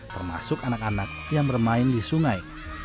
termasuk anak anak yang bermain di sungai